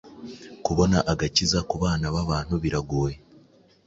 Kubona Agakiza kubana babantu biragoye